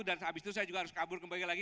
dan habis itu saya juga harus kabur kembali lagi